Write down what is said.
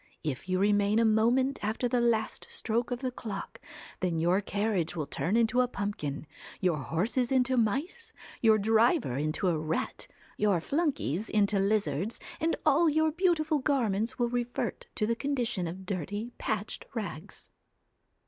If you remain a moment after the last stroke of the clock, then your carriage will turn into a pumpkin, your horses into mice, your driver into a rat, your flunkeys into 27 CINDER lizards, and all your beautiful garments will revert ELLA to the condition of dirty, patched rags.'